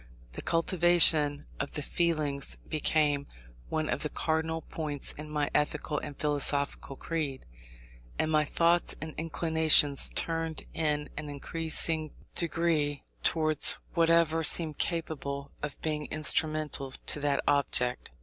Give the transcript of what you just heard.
The cultivation of the feelings became one of the cardinal points in my ethical and philosophical creed. And my thoughts and inclinations turned in an increasing degree towards whatever seemed capable of being instrumental to that object.